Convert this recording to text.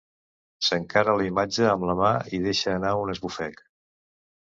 S'encara la imatge amb la mà i deixar anar un esbufec.